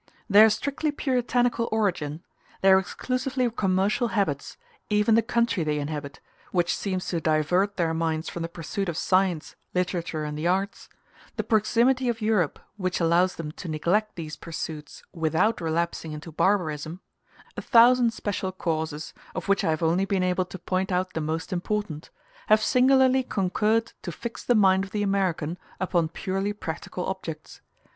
Their strictly Puritanical origin their exclusively commercial habits even the country they inhabit, which seems to divert their minds from the pursuit of science, literature, and the arts the proximity of Europe, which allows them to neglect these pursuits without relapsing into barbarism a thousand special causes, of which I have only been able to point out the most important have singularly concurred to fix the mind of the American upon purely practical objects.